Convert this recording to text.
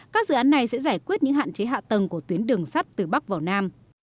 các dự án này sẽ giải quyết những hạn chế hạ tầng của tuyến đường sắt từ bắc vào nam